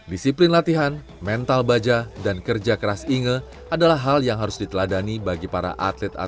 disiplin latihan mental baja dan kerja keras inge adalah hal yang harus diperlukan untuk mencapai kepentingan